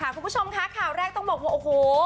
คุณผู้ชมคะข่าวแรกต้องบอกว่าโอ้โห